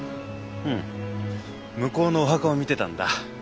うん向こうのお墓を見てたんだ。